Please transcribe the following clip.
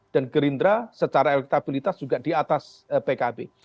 dan gerindra secara elektabilitas juga di atas pkb